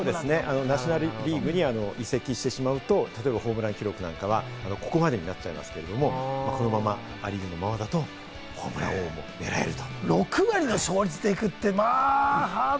ナショナルリーグに移籍してしまうと、例えばホームラン記録なんかは、ここまでになっちゃいますけれども、このままア・リーグのままだとホームラン王も狙えると。